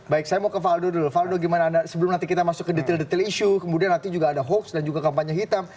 baik saya mau ke valdo dulu valdo gimana anda sebelum nanti kita masuk ke detail detail isu kemudian nanti juga ada hoax dan juga kampanye hitam